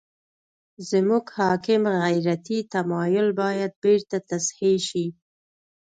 زموږ حاکم غیرتي تمایل باید بېرته تصحیح شي.